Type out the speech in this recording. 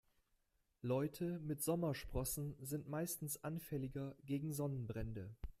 Leute mit Sommersprossen sind meistens anfälliger gegen Sonnenbrände.